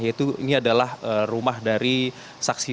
yaitu ini adalah rumah dari saksi